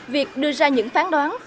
việc đưa ra những phán đoán